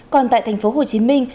còn tại thành phố hồ chí minh